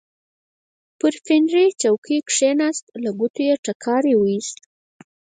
پر فنري څوکۍ کېناست، له ګوتو یې ټکاری وایست.